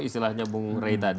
istilahnya bung rey tadi